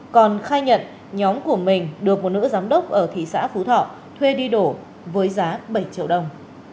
còn khai nhận nhóm của mình được một nữ giám đốc ở thị xã phú thọ thuê đi đổ với giá bảy triệu đồng